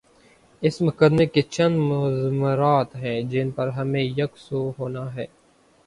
اس مقدمے کے چند مضمرات ہیں جن پر ہمیں یک سو ہونا ہے۔